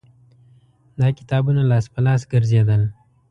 دا کتابونه لاس په لاس ګرځېدل